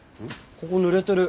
ここ濡れてる。